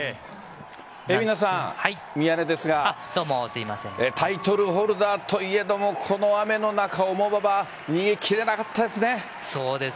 蛯名さん、宮根ですがタイトルホルダーといえどもこの雨の中、重馬場逃げ切れなかったですね。